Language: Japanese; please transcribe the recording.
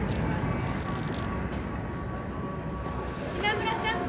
島村さん。